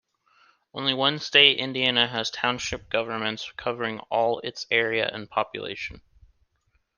Only one state, Indiana, has township governments covering all its area and population.